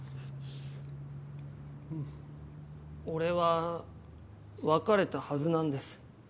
俺は別れたはずなんです。